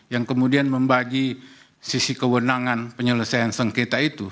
yang kemudian membagi sisi kewenangan penyelesaian sengketa itu